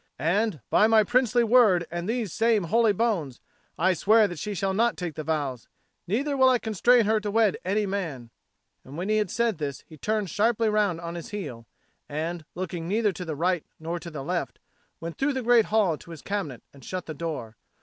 And by my princely word and these same holy bones, I swear that she shall not take the vows, neither will I constrain her to wed any man." And when he had said this, he turned sharply round on his heel, and, looking neither to the right nor to the left, went through the great hall to his cabinet and shut the door.